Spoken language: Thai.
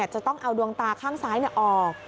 จะต้องเอาดวงตาข้างซ้ายออก